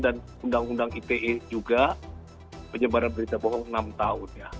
dan undang undang ite juga penyebaran berita bohong enam tahun